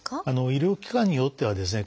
医療機関によってはですね